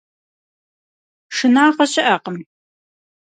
Шынагъэ щыӀэкъым.